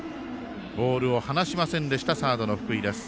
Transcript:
ボールを放しませんでしたサードの福井です。